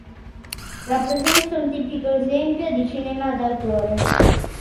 Rappresenta un tipico esempio di cinema d'autore.